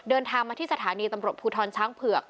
เดินทางมาที่สถานีตำรวจภูทรช้างเผือก